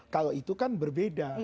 kalau itu kan berbeda